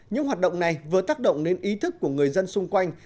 những hoạt động này vừa tác động đến ý thức của người dân xung quanh